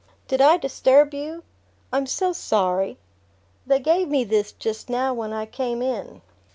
"Did I disturb you? I'm so sorry! They gave me this just now when I came in."